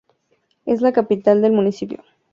Es la capital del municipio.